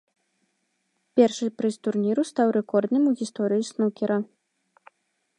Першы прыз турніру стаў рэкордным у гісторыі снукера.